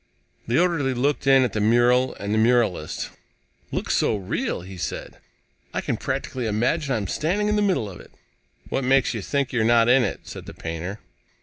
The orderly looked in at the mural and the muralist. "Looks so real," he said, "I can practically imagine I'm standing in the middle of it." "What makes you think you're not in it?" said the painter.